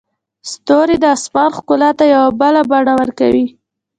ستوري د اسمان ښکلا ته یو بله بڼه ورکوي.